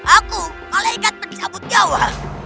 aku malaikat percabut jawa